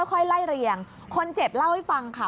ค่อยไล่เรียงคนเจ็บเล่าให้ฟังค่ะ